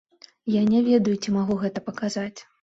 Я не ведаю, ці магу гэта паказаць.